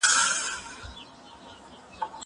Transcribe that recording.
زه به سبا مکتب ته ځم!؟